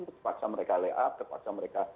terpaksa mereka lay up terpaksa mereka